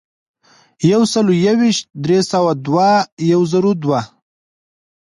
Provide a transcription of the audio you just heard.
یو سلو یو ویشت ، درې سوه دوه ، یو زرو دوه.